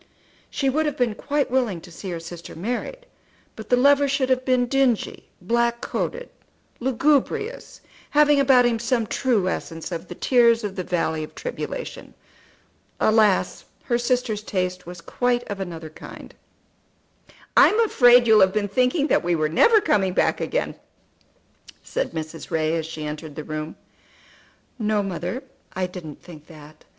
She would have been quite willing to see her sister married, but the lover should have been dingy, black coated, lugubrious, having about him some true essence of the tears of the valley of tribulation. Alas, her sister's taste was quite of another kind! "I'm afraid you will have been thinking that we were never coming back again," said Mrs. Ray, as she entered the room. "No, mother, I didn't think that.